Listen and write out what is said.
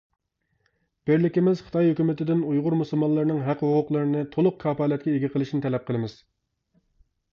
بىرلىكىمىز خىتاي ھۆكۈمىتىدىن ئۇيغۇر مۇسۇلمانلىرىنىڭ ھەق-ھوقۇقلىرىنى تولۇق كاپالەتكە ئىگە قىلىشىنى تەلەپ قىلىمىز.